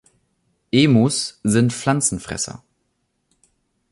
Emus sind Pflanzenfresser.